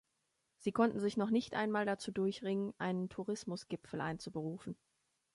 Sie konnte sich noch nicht einmal dazu durchringen, einen Tourismusgipfel einzuberufen.